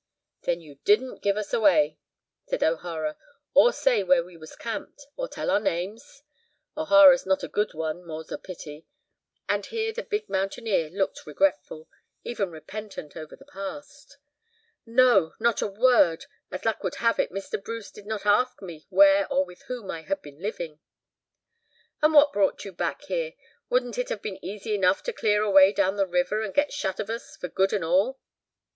"Then you didn't give us away," said O'Hara, "or say where we was camped, or tell our names? O'Hara's not a good one, more's the pity," and here the big mountaineer looked regretful, even repentant over the past. "No! not by a word. As luck would have it, Mr. Bruce did not ask me where or with whom I had been living." "And what brought you back here? Wouldn't it have been easy enough to clear away down the river, and get shut of us, for good and all?"